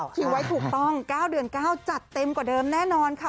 คิวไว้ถูกต้อง๙เดือน๙จัดเต็มกว่าเดิมแน่นอนค่ะ